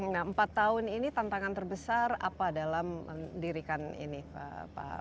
nah empat tahun ini tantangan terbesar apa dalam mendirikan ini pak